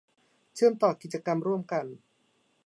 เชื่อมต่อกิจกรรมร่วมกัน